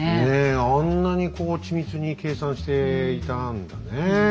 あんなにこう緻密に計算していたんだね。